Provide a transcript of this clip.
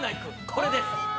これです。